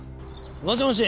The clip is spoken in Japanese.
もしもし？